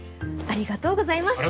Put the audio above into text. ありがとうございます。